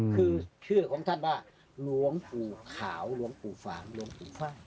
คือชื่อของท่านว่าหลวงปู่ขาวหลวงปู่ฝางหลวงปู่คว่าง